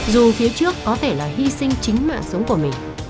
dù phía trước có thể là hy sinh chính mạng sống của mình